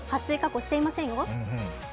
はっ水加工していませんよ。